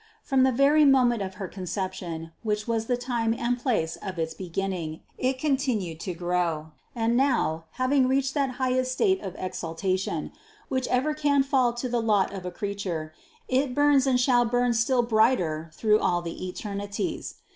From the very moment of her Conception, which was the time and place of its be ginning, it continued to grow, and now, having reached that highest state of exaltation, which ever can fall to the lot of a creature, it burns and shall burn still bright er through all the eternities.